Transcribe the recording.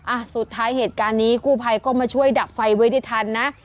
อ่ะสุดท้ายเหตุการณ์นี้กู้ภัยก็มาช่วยดับไฟไว้ได้ทันนะ